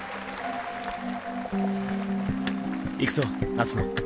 行くぞ夏野。